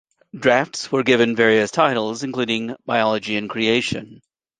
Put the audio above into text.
Drafts were given various titles, including "Biology and Creation".